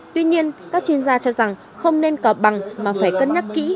tuy nhiên các chuyên gia cho rằng không nên cỏ bằng mà phải cân nhắc kỹ